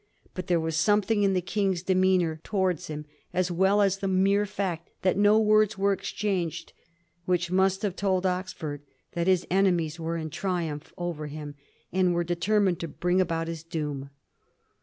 But there was something in the King's demeanour towards him, as well as in the mere fact that no words were exchanged, which must have told Oxford that his enemies were in triumph over him, and were determined to bring about his doom.